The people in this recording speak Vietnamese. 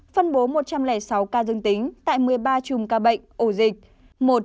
phân bố một trăm linh sáu ca dương tính tại một mươi ba chùm ca bệnh ổ dịch